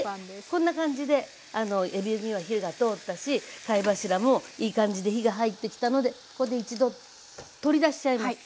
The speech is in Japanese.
こんな感じでえびには火が通ったし貝柱もいい感じで火が入ってきたのでここで一度取り出しちゃいます。